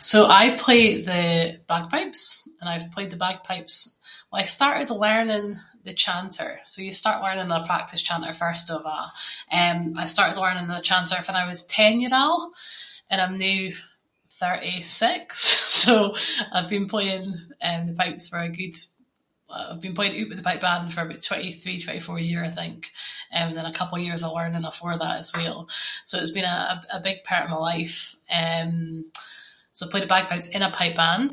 So I play the bagpipes, and I’ve played the bagpipes- so I started learning the chanter. So you start learning the practice chanter first of a’. Eh I started learning the chanter fann I was ten year old, and I’m noo thirty-six So, I’ve been playing eh pipes for a good- I’ve been playing oot with the pipe band for about twenty-three, twenty-four year I think. Eh and then a couple of years of learning afore that as well. So it’s been a- a big part of my life. Eh, so play the bagpipes in a pipe band,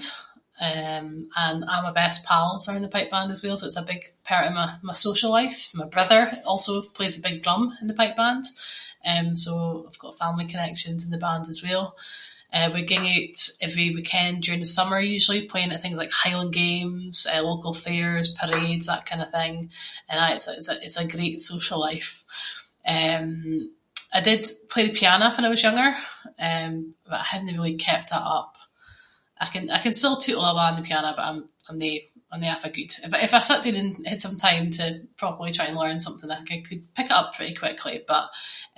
eh and a’ my best pals are in the pipe band as well, so it’s a big part of my- my social life. My brother also plays a big drum in the pipe band. Eh so, I’ve got a family connection to the band as well. Eh we ging oot every weekend during the summer usually, playing at things like highland games, eh local fairs, parades, that kind of thing. And aye, it’s a- it’s a- it’s a great social life. Eh I did play the piano when I was younger, eh but I havenae really kept that up. I can- I can still tootle awa on the piano, but I’m no- no- I’m no awfu’ good. If I … and had some time to properly try to learn something I could pick it up pretty quickly, but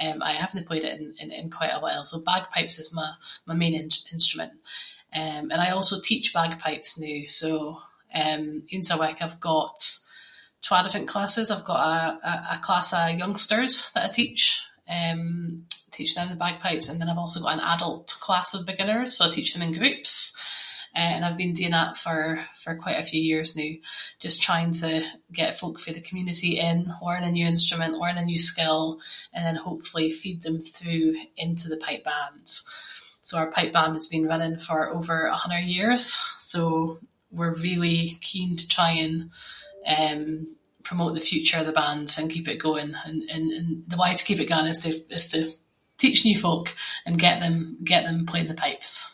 eh aye I havenae played it in quite a while. So, bagpipes is my- my main instru- instrument. Eh and I also teach bagpipes noo, so once a week I’ve got twa different classes. I’ve got a- a- a class of youngsters that I teach, eh teach them the bagpipes, and then I’ve also got an adult class of beginners. So I teach them in groups, eh and I’ve been doing that for quite- quite a few years noo, just trying to get folk from the community in, learn a new instrument, learn a new skill, and then hopefully feed them through into the pipe band. So our pipe band has been running for over a hundred years. So, we’re really keen to try and eh promote the future of the band and to keep it going and- and the way to keep it going is to- is to teach new folk and get them- get them playing the pipes.